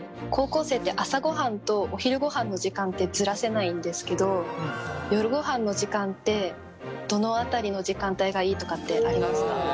高校生って朝御飯とお昼御飯の時間ってずらせないんですけど夜御飯の時間ってどの辺りの時間帯がいいとかってありますか？